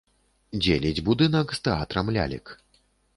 Дзеліць будынак з тэатрам лялек.